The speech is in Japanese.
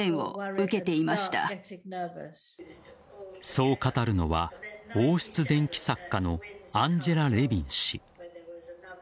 そう語るのは王室伝記作家のアンジェラ・レビン氏。